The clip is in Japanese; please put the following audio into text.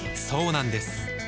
そうなんです